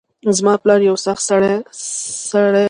زما پلار یو سخت سرۍ سړۍ ده